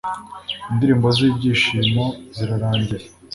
indirimbo z’ibyishimo zirarangiye.